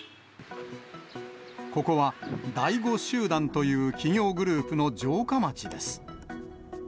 ここは大午集団という企業グループの城下町です。